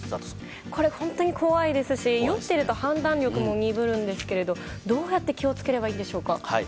これ、本当に怖いですし酔っていると判断力も鈍りますしどうやって気を付ければいいんでしょうか。